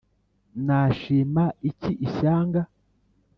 nashima iki ishyanga